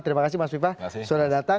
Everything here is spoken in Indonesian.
terima kasih mas viva sudah datang